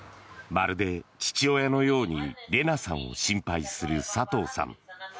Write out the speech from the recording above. まるで父親のようにレナさんを心配する佐藤さん。